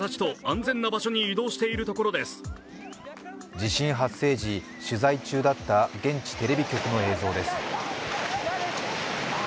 地震発生時、取材中だった現地テレビ局の映像です。